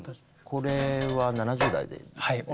これは７０代でですね？